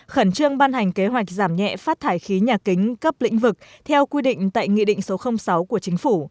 khẩn trương ban hành kế hoạch giảm nhẹ phát thải khí nhà kính cấp lĩnh vực theo quy định tại nghị định số sáu của chính phủ